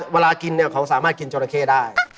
เวลากินเนี่ยเขาสามารถกินจอละเข้ได้